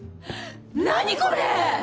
何これ！